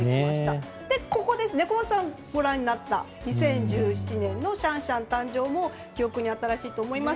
そして、小松さんがご覧になった２０１７年のシャンシャン誕生も記憶に新しいと思います。